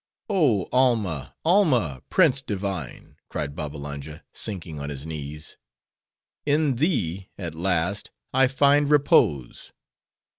"Oh, Alma, Alma! prince divine!" cried Babbalanja, sinking on his knees—"in thee, at last, I find repose.